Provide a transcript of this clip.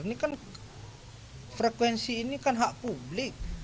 ini kan frekuensi ini kan hak publik